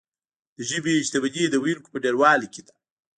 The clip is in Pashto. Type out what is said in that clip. د ژبې شتمني د ویونکو په ډیروالي کې ده.